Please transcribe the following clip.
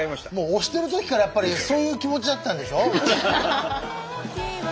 押してるときからやっぱりそういう気持ちだったんでしょ？